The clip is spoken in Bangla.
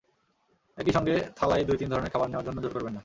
একই সঙ্গে থালায় দুই-তিন ধরনের খাবার নেওয়ার জন্য জোর করবেন না।